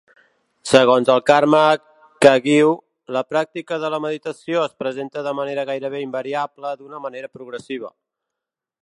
Segons el Karma Kagyu, la pràctica de la meditació es presenta de manera gairebé invariable d'una manera progressiva.